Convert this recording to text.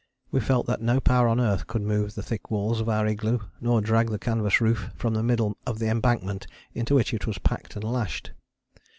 We felt that no power on earth could move the thick walls of our igloo, nor drag the canvas roof from the middle of the embankment into which it was packed and lashed.